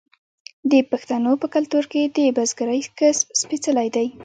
د پښتنو په کلتور کې د بزګرۍ کسب سپیڅلی دی.